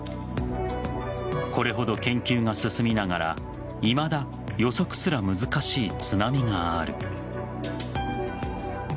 これほど研究が進みながらいまだ予測すら難しい津波がある。